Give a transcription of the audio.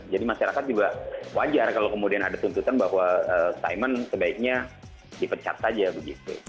jadi masyarakat juga wajar kalau kemudian ada tuntutan bahwa simon sebaiknya dipecat saja begitu